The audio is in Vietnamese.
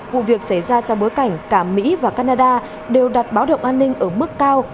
vụ việc xảy ra trong bối cảnh cả mỹ và canada đều đặt báo động an ninh ở mức cao